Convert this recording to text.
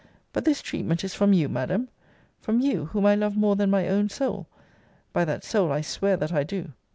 But this treatment is from you, Madam? From you, whom I love more than my own soul! By that soul, I swear that I do.